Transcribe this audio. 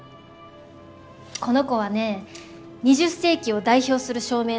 この子はね２０世紀を代表する照明の一つなんだよ。